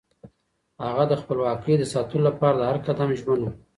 هغه د خپلواکۍ د ساتلو لپاره د هر قدم ژمن و.